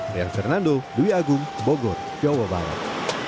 rian fernando dwi agung bogor jawa barat